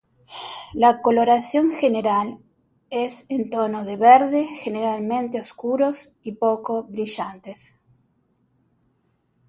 La coloración general es en tonos de verde, generalmente oscuros y poco brillantes.